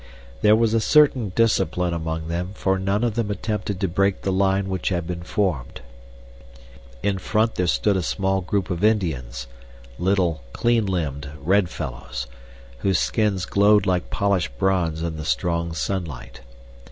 There was a certain discipline among them, for none of them attempted to break the line which had been formed. In front there stood a small group of Indians little, clean limbed, red fellows, whose skins glowed like polished bronze in the strong sunlight.